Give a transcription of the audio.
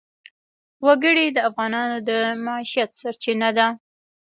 وګړي د افغانانو د معیشت سرچینه ده.